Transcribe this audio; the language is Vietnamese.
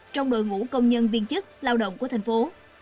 trong đội ngũ công nhân viên chức lao động của thành phố